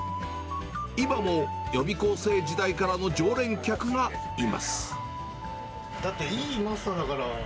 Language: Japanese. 今も予備校生時代からの常連客がだっていいマスターだから。